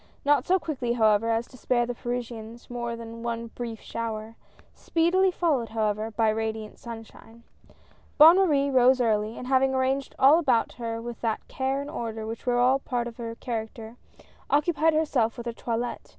Not so quickly, however, as to spare the Parisians more than one brief shower, speedily followed, how ever, by radiant sunshine. Bonne Marie rose early, and having arranged all about her with that care and order which were a part of her character, occupied herself with her toilette.